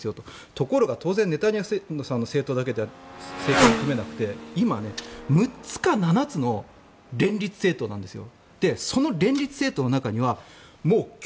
ところが当然、ネタニヤフさんの政党だけでは政権が組めなくて今、６つか７つの連立政党なんですよ。